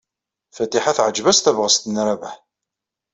Fatiḥa teɛjeb-as tebɣest n Rabaḥ.